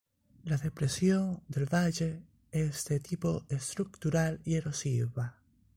La depresión del valle es de tipo estructural y erosiva.